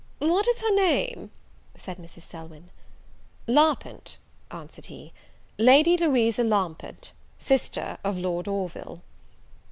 "What is her name?" said Mrs. Selwyn. "Larpent," answered he: "Lady Louisa Larpent, sister of Lord Orville."